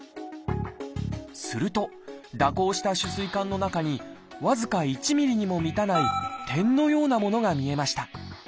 すると蛇行した主膵管の中に僅か１ｍｍにも満たない点のようなものが見えました。